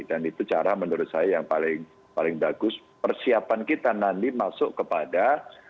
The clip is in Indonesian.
dan itu cara menurut saya yang paling bagus persiapan kita nanti masuk kepada